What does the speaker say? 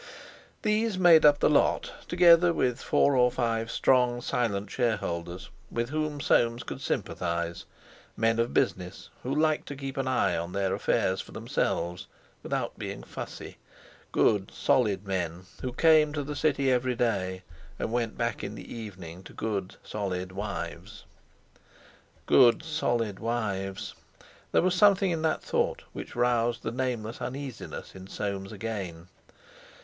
These made up the lot, together with four or five strong, silent shareholders, with whom Soames could sympathize—men of business, who liked to keep an eye on their affairs for themselves, without being fussy—good, solid men, who came to the City every day and went back in the evening to good, solid wives. Good, solid wives! There was something in that thought which roused the nameless uneasiness in Soames again.